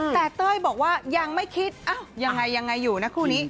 แต่เต้ยบอกว่ายังไม่คิดยังไงยังไงอยู่นะคู่นี้